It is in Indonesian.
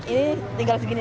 ini tinggal segini